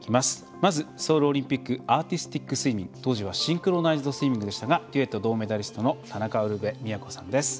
まず、ソウルオリンピックアーティスティックスイミング当時はシンクロナイズドスイミングでしたがデュエット銅メダリストの田中ウルヴェ京さんです。